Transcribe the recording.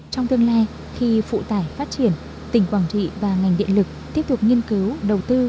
trong tương lai khi phụ tải phát triển tỉnh quảng trị và ngành điện lực tiếp tục nghiên cứu đầu tư